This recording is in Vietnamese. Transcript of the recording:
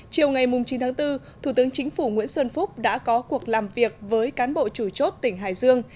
chiều ngày chín tháng bốn thủ tướng chính phủ nguyễn xuân phúc đã có cuộc làm việc với cán bộ chủ chốt tỉnh hải dương